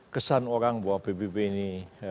kesan orang bahwa pbb ini